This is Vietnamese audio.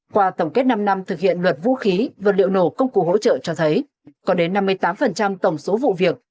qua tổng kết năm năm thực hiện luật vũ khí vật liệu nổ công cụ hỗ trợ cho thấy có đến năm mươi tám tổng số vụ việc